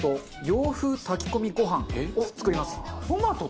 洋風炊き込みご飯を作ります。